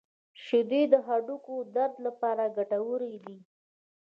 • شیدې د هډوکو د درد لپاره ګټورې دي.